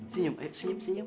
senyum ayo senyum senyum